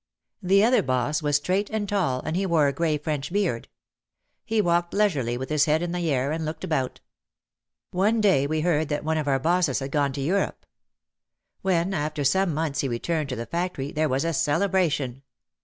The other boss was straight and tall and he wore a grey French beard. He walked leisurely with his head in the air and looked about. One day we heard that one of our bosses had gone to Europe. When after some months he returned to the factory there was a celebration.